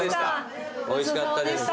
おいしかったです。